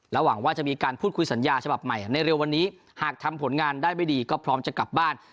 หวังว่าจะมีการพูดคุยสัญญาฉบับใหม่ในเร็ววันนี้หากทำผลงานได้ไม่ดีก็พร้อมจะกลับบ้าน